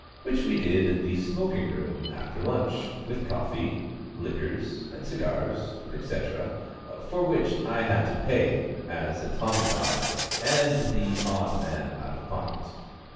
Which we did in the smoking room after lunch, with coffee, liqueurs, and cigars, &c., for which I had to pay, as a Tommy Dod, and the odd man out of pocket.